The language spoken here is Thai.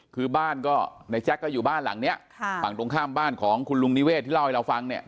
คือบ้านก็ในแจ็คก็อยู่บ้านหลังเนี้ยค่ะฝั่งตรงข้ามบ้านของคุณลุงนิเวศที่เล่าให้เราฟังเนี่ย